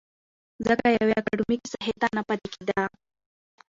ځکه يوې اکادميکې ساحې ته نه پاتې کېده.